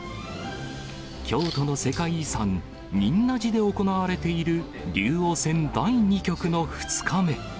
京都の世界遺産、仁和寺で行われている竜王戦第２局の２日目。